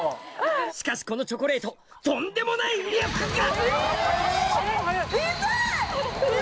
しかしこのチョコレートとんでもない威力が！